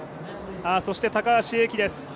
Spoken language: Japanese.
そして高橋英輝です